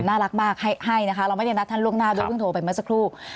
น่ารักมากให้นะคะเราไม่ได้นัดท่านล่วงหน้าด้วยเพิ่งโทรไปเมื่อสักครู่